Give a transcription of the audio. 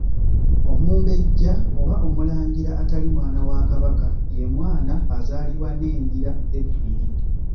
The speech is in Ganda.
Omumbejja oba Omulangira atali mwana wa Kabaka ye mwana azaalibwa n’endira ebbiri.